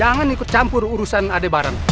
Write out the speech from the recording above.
aku takut campur urusan adik barang